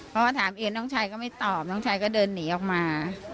เพราะว่าถามเองน้องชายก็ไม่ตอบน้องชายก็เดินหนีออกมา